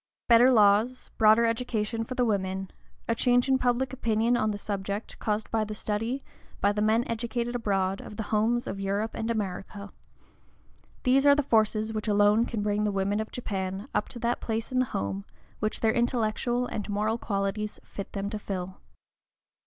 Better laws, broader education for the women, a change in public opinion on the subject, caused by the study, by the men educated abroad, of the homes of Europe and America, these are the forces which alone can bring the women of Japan up to that place in the home which their intellectual and moral qualities fit them to fill.